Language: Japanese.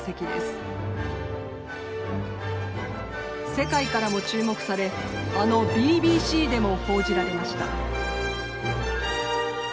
世界からも注目されあのＢＢＣでも報じられました。